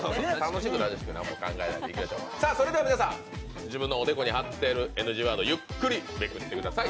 皆さん、自分のおでこに貼ってある、ＮＧワードゆっくりめくってください。